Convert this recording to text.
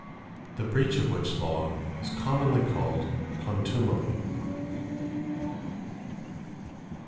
The breach of which Law, is commonly called Contumely.